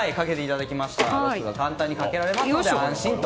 ロックが簡単にかけられますので安心と。